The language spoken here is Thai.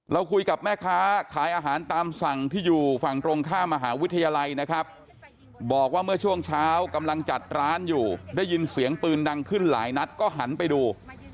เราคุยกับแม่ค้าขายอาหารตามสั่งที่อยู่ฝั่งตรงข้ามมหาวิทยาลัยนะครับบอกว่าเมื่อช่วงเช้ากำลังจัดร้านอยู่ได้ยินเสียงปืนดังขึ้นหลายนัดก็หันไปดู